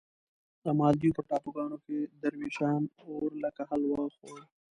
د مالدیو په ټاپوګانو کې دروېشان اور لکه حلوا خوړ.